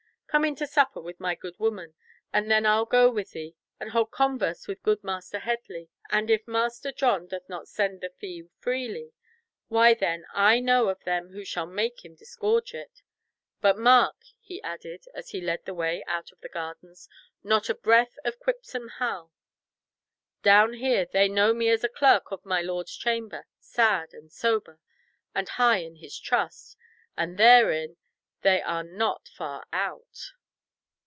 Come in to supper with my good woman, and then I'll go with thee and hold converse with good Master Headley, and if Master John doth not send the fee freely, why then I know of them who shall make him disgorge it. But mark," he added, as he led the way out of the gardens, "not a breath of Quipsome Hal. Down here they know me as a clerk of my lord's chamber, sad and sober, and high in his trust, and therein they are not far out."